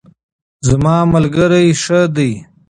زما ملګرۍ ښه دی